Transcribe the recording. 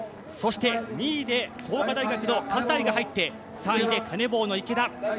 そして２位で創価大学の葛西が入って３位でカネボウの池田。